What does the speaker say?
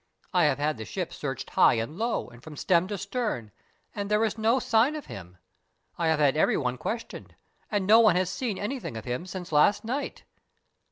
I have had the ship searched high and low, and from stem to stern, and there is no sign of him. I have had every one questioned, and no one has seen anything of him since last night."